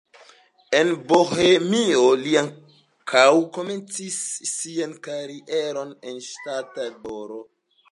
En Bohemio li ankaŭ komencis sian karieron en ŝtata deĵoro.